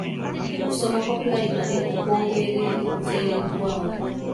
Okusoma kwa pulayimale okw'obwereere kuteereddwawo.